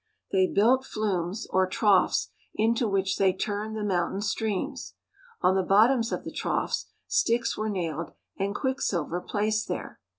They built flumes, or troughs, into which they turned the moun tain streams. On the bottoms of the troughs, sticks were nailed, and quicksilver placed there.